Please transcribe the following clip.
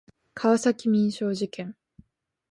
川崎民商事件